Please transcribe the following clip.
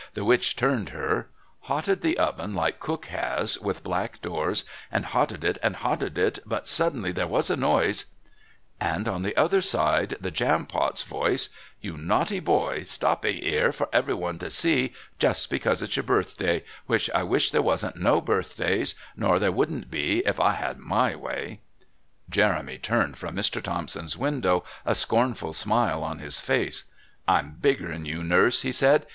The witch turned her) hotted the oven like cook has, with black doors, and hotted it and hotted it, but suddenly there was a noise " And, on the other side, the Jampot's voice: "You naughty boy, stoppin' 'ere for everyone to see, just because it's your birthday, which I wish there wasn't no birthdays, nor there wouldn't be if I had my way." Jeremy turned from Mr. Thompson's window, a scornful smile on his face: "I'm bigger'n you, Nurse," he said.